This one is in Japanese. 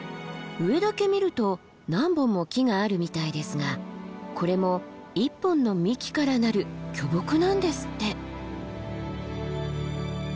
上だけ見ると何本も木があるみたいですがこれも１本の幹からなる巨木なんですって。